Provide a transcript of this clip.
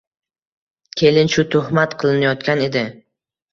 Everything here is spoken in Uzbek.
Kelin shu tuhmat qilinayotgan edi.